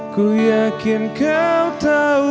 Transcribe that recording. ku yakin kau tahu